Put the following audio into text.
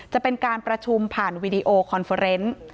จะเป็นการประชุมผ่านวีดีโอคอนเฟอร์เนส์